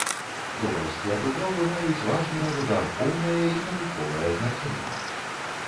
Тураўскія дубровы маюць важнае водаахоўнае і навуковае значэнне.